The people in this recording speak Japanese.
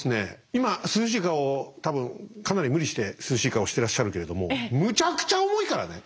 今涼しい顔多分かなり無理して涼しい顔してらっしゃるけれどもむちゃくちゃ重いからね！